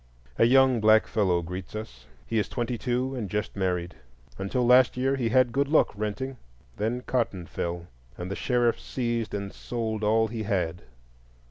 A young black fellow greets us. He is twenty two, and just married. Until last year he had good luck renting; then cotton fell, and the sheriff seized and sold all he had.